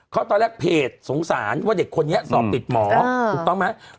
เขาตอนแรกเพจสงสารว่าเด็กคนนี้สอบติดหมอถูกต้องไหม